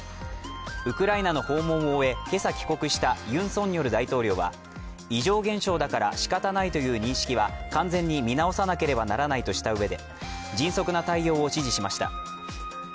ウクライナの訪問を終え、けさ帰国したユン・ソンニョル大統領は異常現象だからしかたないという認識は完全に見直さなければならないとしたうえで、迅速な対応を指示しました。